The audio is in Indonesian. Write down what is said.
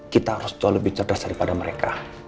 kita harus jauh lebih cerdas daripada mereka